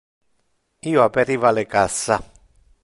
Io aperiva le cassa.